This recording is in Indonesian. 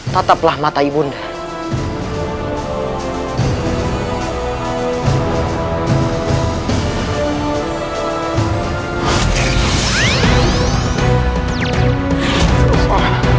tataplah mata ibu nda